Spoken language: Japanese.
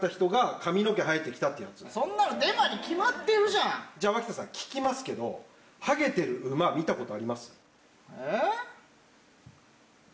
便が頭にかかったそんなのデマに決まってるじじゃあ脇田さん、聞きますけど、ハゲてる馬、見たことあります？え？